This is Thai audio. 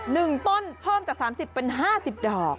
หนึ่งต้นเพิ่มจาก๓๐เป็น๕๐ดอก